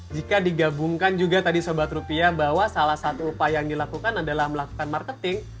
jika digabungkan juga tadi sobat rupiah bahwa salah satu upaya yang dilakukan adalah melakukan marketing